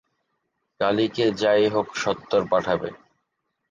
কালীকে যাই হোক সত্বর পাঠাবে।